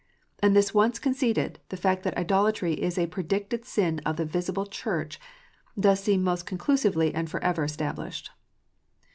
And this once conceded, the fact that idolatry is a predicted sin of the visible Church, does seem most conclusively and for ever established.